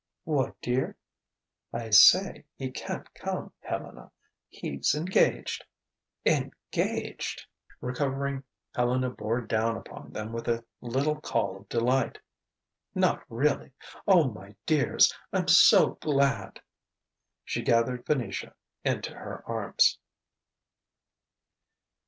"What, dear?" "I say, he can't come, Helena. He's engaged." "Engaged!" Recovering, Helena bore down upon them with a little call of delight. "Not really!... O my dears! I'm so glad!" She gathered Venetia into her arms.